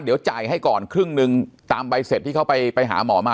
เดี๋ยวจ่ายให้ก่อนครึ่งหนึ่งตามใบเสร็จที่เขาไปหาหมอมา